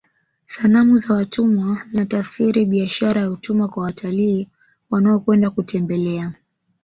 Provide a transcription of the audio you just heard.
sanamu za watumwa zinatafsiri biashara ya utumwa kwa watalii wanaokwenda kutembelea